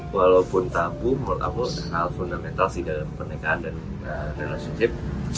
walaupun tabu menurut aku hal fundamental sih dalam pernikahan dan relationship